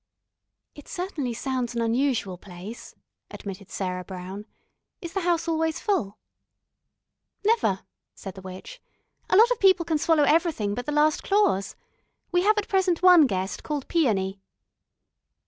"It certainly sounds an unusual place," admitted Sarah Brown. "Is the house always full?" "Never," said the witch. "A lot of people can swallow everything but the last clause. We have at present one guest, called Peony."